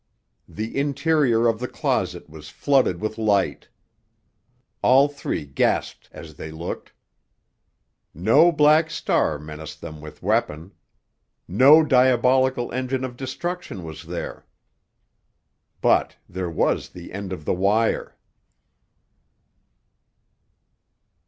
The interior of the closet was flooded with light. All three gasped as they looked. No Black Star menaced them with weapon. No diabolical engine of destruction was there. But there was the end of the wire!